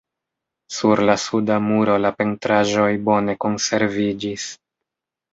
Sur la suda muro la pentraĵoj bone konserviĝis.